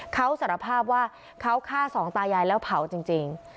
เขาสารภาพว่าเขาฆ่าสองตายายแล้วเผาจริง